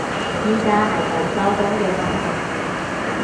而家係等收工嘅心情